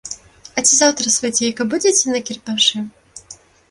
А ці заўтра, свацейка, будзеце на кірмашы?